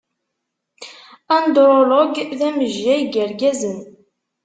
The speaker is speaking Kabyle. Undrulog d amejjay n yergazen.